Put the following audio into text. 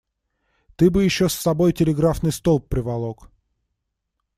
Ты бы еще с собой телеграфный столб приволок.